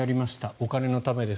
お金のためです。